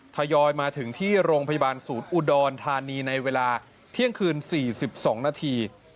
ทยอยมาถึงที่โรงพยาบาลศูนย์อุดรธานีในเวลาเที่ยงคืน๔๒นาที